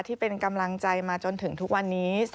ที่เป็นกำลังใจมาจนถึงทุกวันนี้